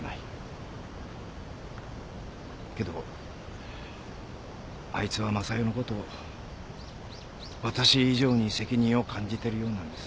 けどあいつは昌代のことわたし以上に責任を感じてるようなんです。